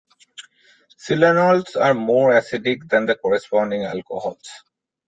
Silanols are more acidic than the corresponding alcohols.